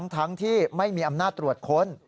ทั้งที่ไม่มีอำนาจตรวจค้น